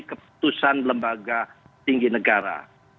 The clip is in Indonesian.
keputusan lembaga tinggi negara